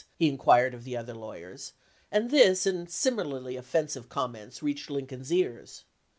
he inquired of the other lawyers, and this and similarly offensive com ments reached Lincoln's ears.